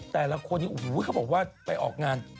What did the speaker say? แต่ละคนนี้โอ้โหเขาบอกว่าไปออกงาน